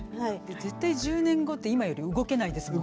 絶対１０年後って今より動けないですもんね。